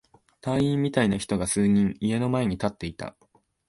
隊員みたいな人が数人、家の前に立っていた。